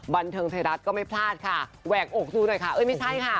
บันเทิงไทยรัฐก็ไม่พลาดค่ะแหวกอกดูหน่อยค่ะเอ้ยไม่ใช่ค่ะ